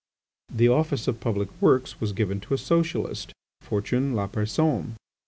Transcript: The office of Public Works was given to a Socialist, Fortuné Lapersonne.